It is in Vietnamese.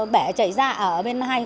bẻ chảy ra ở bên hai cái hố